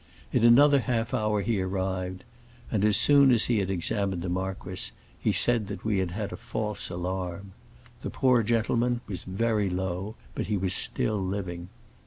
In another half hour he arrived, and as soon as he had examined the marquis he said that we had had a false alarm. The poor gentleman was very low, but he was still living.